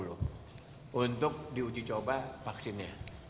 untuk diuji coba vaksinnya